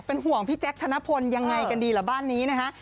เป็นห่วงพี่แจ๊คธนพลยังไงกันดีล่ะบ้านนี้นะฮะ